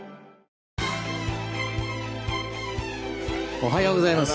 おはようございます。